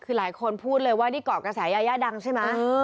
คือหลายคนพูดเลยว่านี่เกาะกระแสยายาดังใช่ไหม